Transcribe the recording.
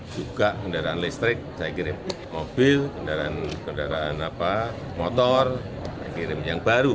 juga kendaraan listrik saya kirim mobil kendaraan motor saya kirim yang baru